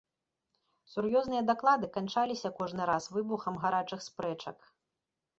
Сур'ёзныя даклады канчаліся кожны раз выбухам гарачых спрэчак.